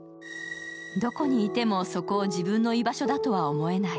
どこにいても、そこを自分の居場所だとは思えない。